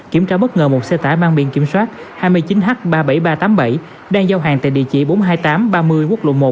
kiểm tra bất ngờ một xe tải mang biển kiểm soát hai mươi chín h ba mươi bảy nghìn ba trăm tám mươi bảy đang giao hàng tại địa chỉ bốn trăm hai mươi tám ba mươi quốc lộ một